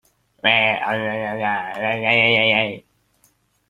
Kan lo vawlei a hriat caah thlaikheu an ṭha lo.